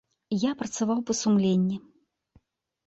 Я працаваў па сумленні.